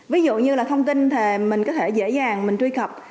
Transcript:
ví dụ như là thông tin thì mình có thể dễ dàng mình truy cập